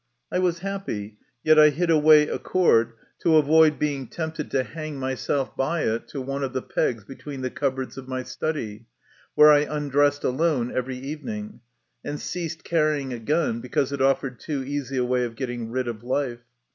I was happy, yet I hid away a cord, to avoid 30 MY CONFESSION. being tempted to hang myself by it to one of the pegs between the cupboards of my study, where I undressed alone every evening, and ceased carrying a gun because it offered too easy a way of getting rid of life.